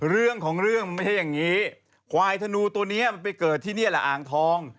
เรื่องของเรื่องไม่ใช่อย่างนี้ควายธนูตัวนี้มันไปเกิดที่นี่แหละอ่างทอง